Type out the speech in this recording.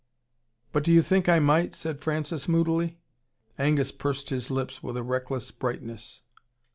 "But do you think I might ?" said Francis moodily. Angus pursed his lips with a reckless brightness.